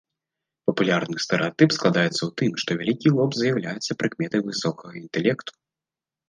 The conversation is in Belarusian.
Папулярны стэрэатып складаецца ў тым, што вялікі лоб з'яўляецца прыкметай высокага інтэлекту.